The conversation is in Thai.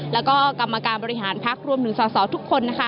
และกรรมการบริหารพักรุ่มถึงส่องทุกคน